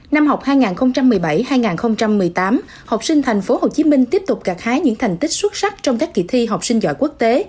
năm học hai nghìn một mươi bảy hai nghìn một mươi tám học sinh tp hcm tiếp tục gạt hái những thành tích xuất sắc trong các kỳ thi học sinh giỏi quốc tế